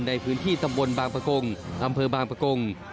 ในพื้นที่ตำบลบางประกงอำเภอบางประกง